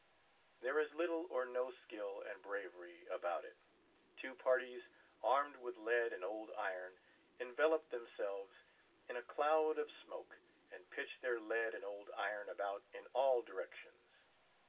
There is little or no skill and bravery about it. Two parties, armed with lead and old iron, envelop themselves in a cloud of smoke, and pitch their lead and old iron about in all directions.